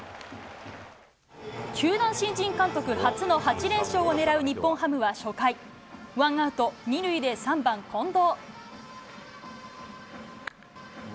球団新人監督初の８連勝を狙う日本ハムは初回、ワンアウト２塁で３番近藤。